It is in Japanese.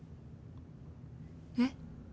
えっ？